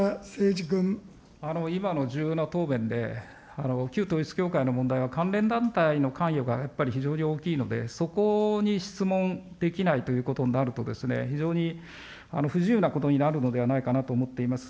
今の重要な答弁で、旧統一教会の問題は関連団体の関与がやっぱり非常に大きいので、そこに質問できないということになるとですね、非常に、不自由なことになるのではないかと思っています。